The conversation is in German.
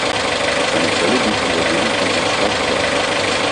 Seine Quelle liegt in der Gegend von Ostaschkow.